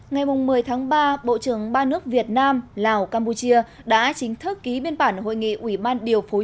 ngày một mươi tháng ba bộ trưởng ba nước việt nam lào campuchia đã chính thức ký biên bản hội nghị ủy ban điều phối